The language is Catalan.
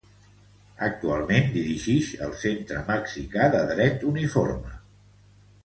Actualment dirigix el Centre Mexicà de Dret Uniforme.